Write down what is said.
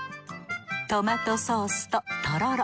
トマトソースととろろ。